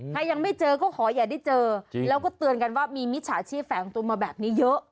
ถ้ายังไม่เจอก็ขออย่าได้เจอแล้วก็เตือนกันว่ามีมิจฉาชีพแฝงตัวมาแบบนี้เยอะ